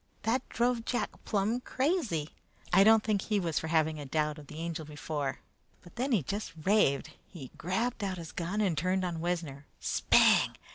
That drove Jack plum crazy. "I don't think he was for having a doubt of the Angel before, but then he just raved. He grabbed out his gun and turned on Wessner. Spang!